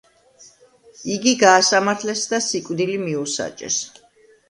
იგი გაასამართლეს და სიკვდილი მიუსაჯეს.